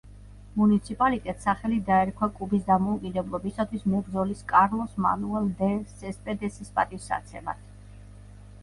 მუნიციპალიტეტს სახელი დაერქვა კუბის დამოუკიდებლობისათვის მებრძოლის კარლოს მანუელ დე სესპედესის პატივსაცემად.